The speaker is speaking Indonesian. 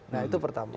nah itu pertama